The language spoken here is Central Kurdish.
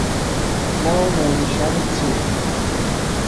ناو و ناونیشانت چییە؟